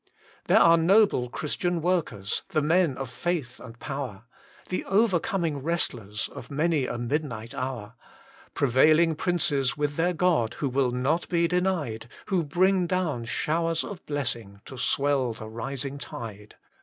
There are noble Christian workers, The men of faith and power, The overcoming wrestlers Of many a midnight hour ; Prevailing princes with their God, Who will not be denied, Who bring down showers of blessinp To swell the rising tide.